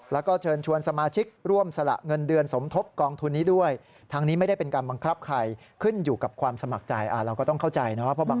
แล้วก็เชิญชวนสมาชิกร่วมสละเงินเดือนสมทบกองทุนนี้ด้วย